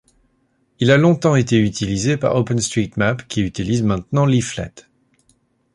Il a longtemps été utilisé par OpenStreetMap qui utilise maintenant Leaflet.